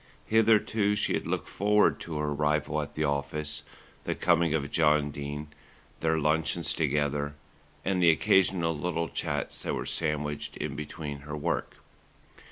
Hitherto she had looked forward to her arrival at the office, the coming of John Dene, their luncheons together and the occasional little chats that were sandwiched in between her work.